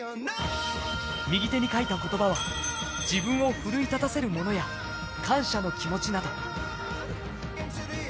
右手に書いた言葉は、自分を奮い立たせるものや、感謝の気持ちなど。